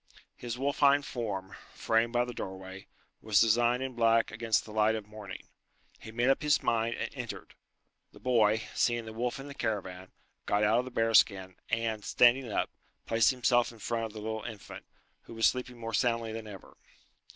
His wolfine form, framed by the doorway, was designed in black against the light of morning. He made up his mind, and entered. The boy, seeing the wolf in the caravan, got out of the bear skin, and, standing up, placed himself in front of the little infant, who was sleeping more soundly than ever.